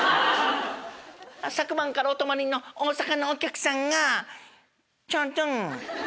昨晩からお泊まりの大阪のお客さんがチョンズン。